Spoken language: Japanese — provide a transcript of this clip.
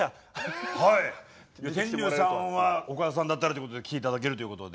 天龍さんはオカダさんだったらっていうことで来て頂けるということで。